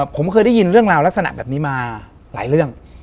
ผมเคยได้ยินเรื่องราวลักษณะแบบนี้มาหลายเรื่อง